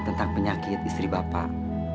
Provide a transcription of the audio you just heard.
tentang penyakit istri bapak